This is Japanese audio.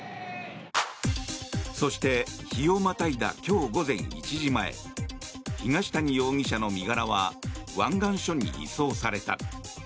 そして、日をまたいだ今日午前１時前東谷容疑者の身柄は湾岸署に移送された。